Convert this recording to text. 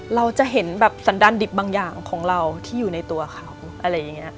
เราจะเห็นแบบสันดันดิบบางอย่างของเราที่อยู่ในตัวเขาอะไรอย่างนี้